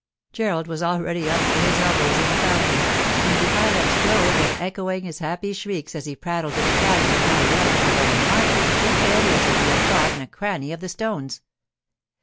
Gerald was already up to his elbows in the fountain, and the ilex grove was echoing his happy shrieks as he prattled in Italian to Marietta about a marvellous two tailed lizard he had caught in a cranny of the stones.